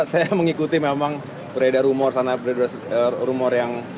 saya mengikuti memang beredar rumor sana beredar rumor yang